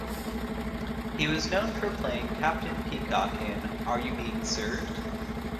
He was known for playing Captain Peacock in Are You Being Served?